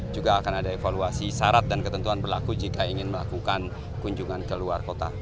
juga akan ada evaluasi syarat dan ketentuan berlaku jika ingin melakukan kunjungan ke luar kota